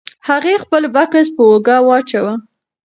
هغې خپل بکس په اوږه واچاوه.